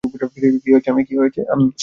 কী হয়েছে, আম্মি?